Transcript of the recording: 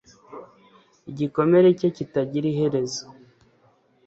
Igikomere cye kitagira iherezo